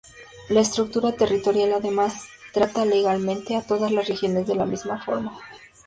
La estructura territorial, además, trata legalmente a todas las regiones de la misma forma.